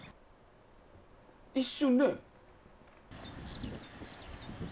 一瞬ね。